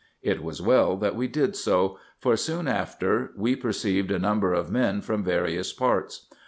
It was well that we did so, for soon after we perceived a number of men from various parts.